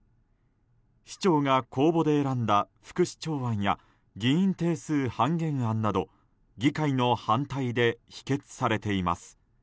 市長が公募で選んだ副市長案や議員定数半減案など議会の反対で否決されています。